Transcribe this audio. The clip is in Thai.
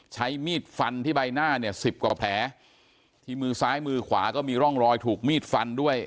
ใช้มีดฟันที่ใบหน้าเนี่ยสิบกว่าแผลที่มือซ้ายมือขวาก็มีร่องรอยถูกมีดฟันด้วย